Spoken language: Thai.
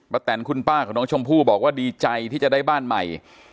แตนคุณป้าของน้องชมพู่บอกว่าดีใจที่จะได้บ้านใหม่